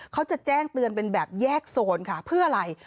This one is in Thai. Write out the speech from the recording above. เขาจะแจ้งเตือนเป็นแบบแยกโซนค่ะเพื่ออะไร